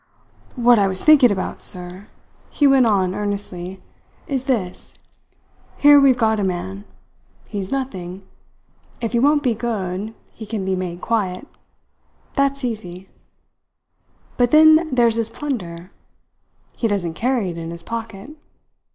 "What I was thinking about it, sir," he went on earnestly, "is this here we've got a man. He's nothing. If he won't be good, he can be made quiet. That's easy. But then there's his plunder. He doesn't carry it in his pocket."